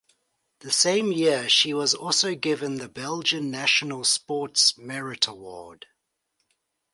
The same year she was also given the Belgian National Sports Merit Award.